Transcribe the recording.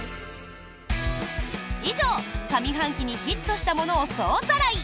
以上、上半期にヒットしたものを総ざらい！